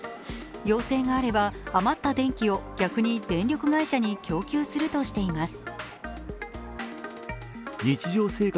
要請があれば、余った電気を逆に電力会社に供給するとしています。